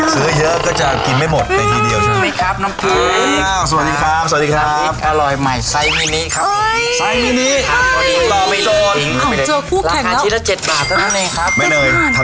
สวัสดีครับสวัสดีครับสวัสดีครับ